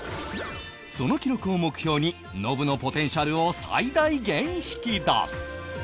その記録を目標にノブのポテンシャルを最大限引き出す！